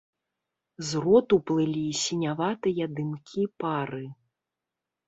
З роту плылі сіняватыя дымкі пары.